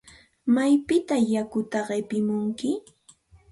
¿Maypitataq yakuta qipimuntsik?